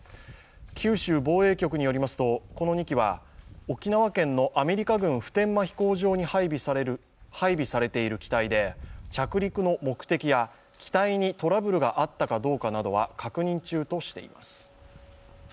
九州防衛局によりますと、この２機は沖縄県の普天間飛行場に配備されている機体で着陸の目的や機体にトラブルがあったかどうかなどは確認中としています。